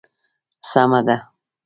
سمه ده.